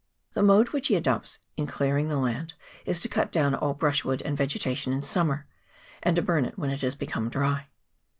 The mode which he adopts in clearing the land is to cut down all brush wood and vegetation in summer, and to burn it when it has become dry.